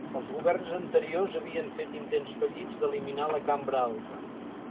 Els governs anteriors havien fet intents fallits d'eliminar la cambra alta.